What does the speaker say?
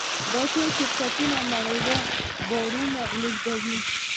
دا ټول شرکتونه نړیوال بارونه لېږدوي.